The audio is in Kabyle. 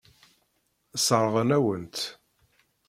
Sseṛɣen-awen-tt.